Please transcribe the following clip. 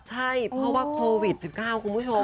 ใช่เพราะว่าโควิด๑๙คุณผู้ชม